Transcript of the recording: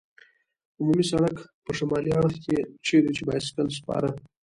عمومي سړک په شمالي اړخ کې، چېرې چې بایسکل سپاره.